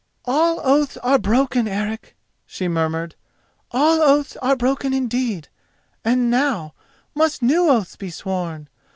"All oaths are broken, Eric," she murmured, "all oaths are broken indeed, and now must new oaths be sworn.